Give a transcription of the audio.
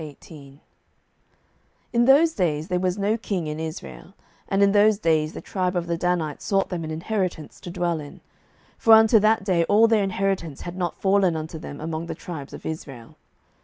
07:018:001 In those days there was no king in Israel: and in those days the tribe of the Danites sought them an inheritance to dwell in; for unto that day all their inheritance had not fallen unto them among the tribes of Israel.